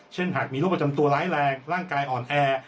หากมีโรคประจำตัวร้ายแรงร่างกายอ่อนแอ